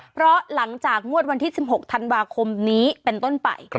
เพราะหลังจากงวดวันที่๑๖ธันวาคมนี้เป็นต้นไป